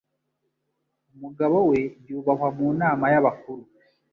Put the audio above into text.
Umugabo we yubahwa mu nama y’abakuru